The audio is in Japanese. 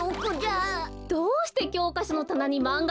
どうしてきょうかしょのたなにマンガがおいてあるの？